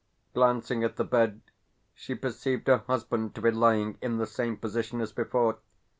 Glancing at the bed, she perceived her husband to be lying in the same position as before.